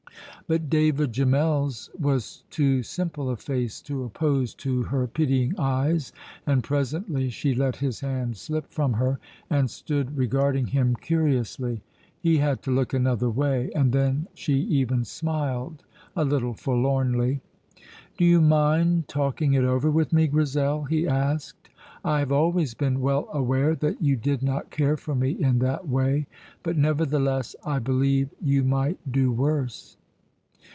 But David Gemmell's was too simple a face to oppose to her pitying eyes, and presently she let his hand slip from her and stood regarding him curiously. He had to look another way, and then she even smiled, a little forlornly. "Do you mind talking it over with me, Grizel?" he asked. "I have always been well aware that you did not care for me in that way, but nevertheless I believe you might do worse."